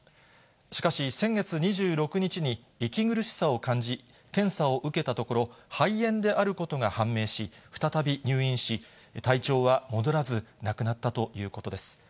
しかし先月２６日に、息苦しさを感じ、検査を受けたところ、肺炎であることが判明し、再び入院し、体調は戻らず、亡くなったということです。